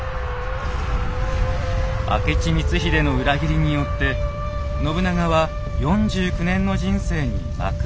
明智光秀の裏切りによって信長は４９年の人生に幕を閉じます。